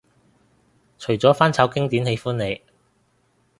除咗翻炒經典喜歡你